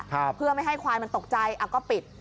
ครับเพื่อไม่ให้ควายมันตกใจอ่ะก็ปิด